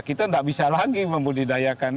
kita tidak bisa lagi membudidayakan